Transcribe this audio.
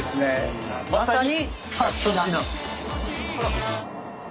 まさに。